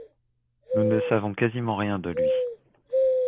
Nous ne savons quasiment rien de lui.